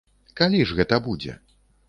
Калі ж гэта будзе?